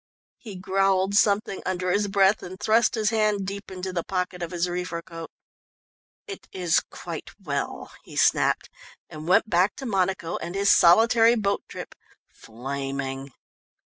He growled something under his breath and thrust his hand deep into the pocket of his reefer coat. "It is quite well," he snapped, and went back to Monaco and his solitary boat trip, flaming.